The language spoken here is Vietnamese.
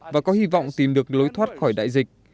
và có hy vọng tìm được lối thoát khỏi đại dịch